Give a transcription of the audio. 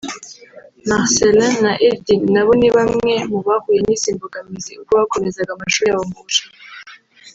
Marcellin na Eddy nabo ni bamwe mu bahuye n’izi mbogamizi ubwo bakomezaga amashuli yabo mu Bushinwa